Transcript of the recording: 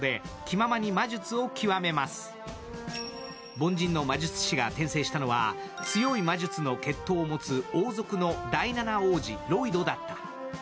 凡人の魔術師が転生したのは、強い魔術の血統を持つ王族の第七王子・ロイドだった。